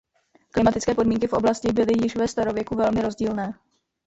Klimatické podmínky v oblasti byly již ve starověku velmi rozdílné.